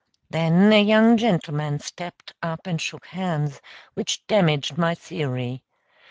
Then a young gentleman stepped up and shook hands, which damaged my theory.